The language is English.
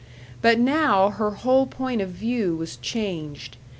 But now her whole point of view was changed.